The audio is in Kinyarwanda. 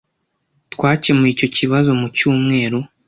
twakemuye icyo kibazo mu cyumweru